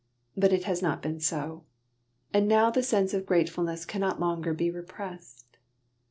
But it has not been so. And now the sense of gratefulness cannot longer be repressed.